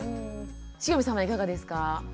汐見さんはいかがですか？